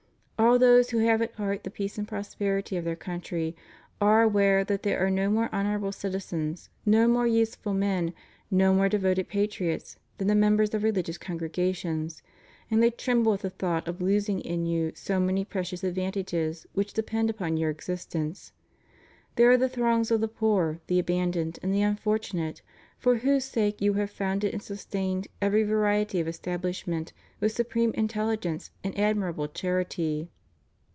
AH those who have at heart the peace and prosperity of their country are aware that there are no more honorable citizens, no more useful men, no more devoted patriots than the members of religious congregations, and they tremble at the thought of losing in you so many precious advantages which depend upon your existence. There are the throngs of the poor, the abandoned and the un fortunate for whose sake 3^ou have founded and sustained every variety of establishment with supreme intelligence and admirable charity.